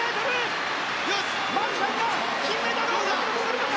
マルシャン金メダル獲得するか。